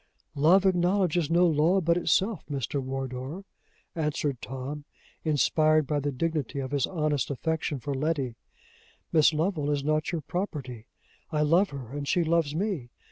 "Love acknowledges no law but itself, Mr. Wardour," answered Tom, inspired by the dignity of his honest affection for Letty. "Miss Lovel is not your property. I love her, and she loves me.